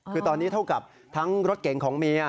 คือตอนนี้เท่ากับทั้งรถเก่งของเมีย